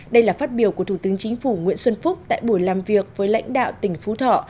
đây là phát biểu của thủ tướng chính phủ nguyễn xuân phúc tại buổi làm việc với lãnh đạo tỉnh phú thọ